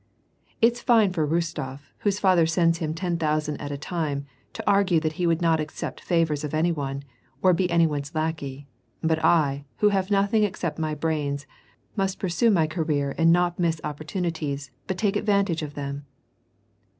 " It's fine for Rostof, whose father sends him ten thousand at a time, to argue that he would not accept favors of any one, or be any one's lackey ; but I, who have nothing except my brains, must pursue my career and not miss oppoi tunities, but take advantage of them."